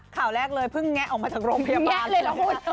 ข่าวแรกเลยเพิ่งแม่ออกมาจากโรงพยาบาล